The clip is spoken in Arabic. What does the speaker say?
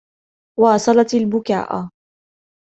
واصلَت البكاء.